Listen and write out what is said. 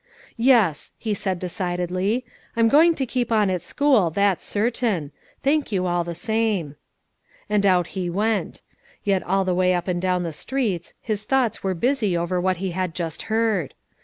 "Yes," he said decidedly; "I'm going to keep on at school, that's certain. Thank you all the same." And out he went; yet all the way up and down the streets his thoughts were busy over what he had just heard.